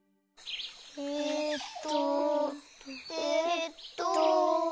えっとえっと。